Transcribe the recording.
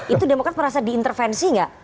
itu demokrat merasa diintervensi nggak